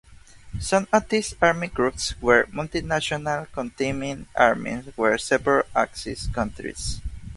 Some of these army groups were multinational, containing armies from several Axis countries.